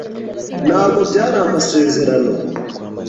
Ntabwo byari amasezerano.